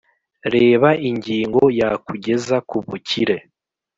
reba ingingo ya kugeza kubukire